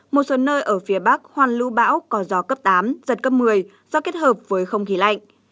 một số nơi ở phía bắc hoàn lưu bão có gió cấp tám giật cấp một mươi do kết hợp với không khí lạnh